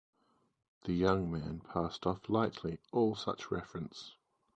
The young man passed off lightly all such reference.